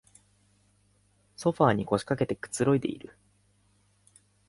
ソファーに腰かけてくつろいでいる